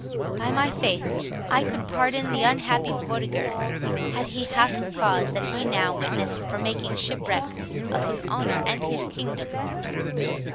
By my faith, I could pardon the unhappy Vortigern, had he half the cause that we now witness, for making shipwreck of his honour and his kingdom."